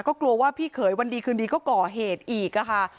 ก็กลัวว่าพี่เขยวันดีคืนดีก็ก่อเหตุอีกค่ะ